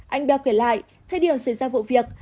anh đeo kể lại thời điểm xảy ra vụ việc